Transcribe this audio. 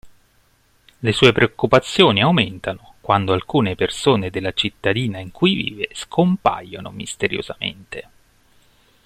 Le sue preoccupazioni aumentano quando alcune persone della cittadina in cui vive scompaiono misteriosamente.